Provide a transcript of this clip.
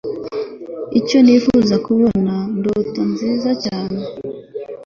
icyo nifuza kubona ndota nziza cyane